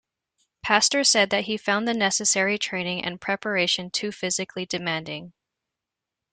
Pastore said that he found the necessary training and preparation too physically demanding.